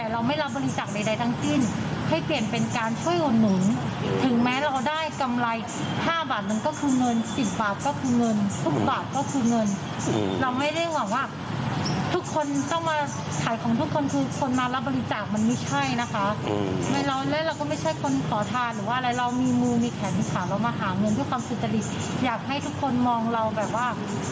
เรามาหาหมู่ของพ่อไปอย่างนี้กะ